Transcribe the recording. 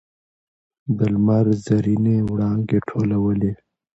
د لمر زرینې وړانګې ټولولې.